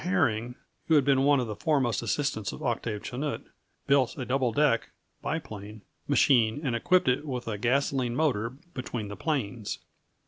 Herring, who had been one of the foremost assistants of Octave Chanute, built a double deck (biplane) machine and equipped it with a gasoline motor between the planes.